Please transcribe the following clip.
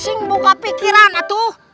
sing buka pikiran datuh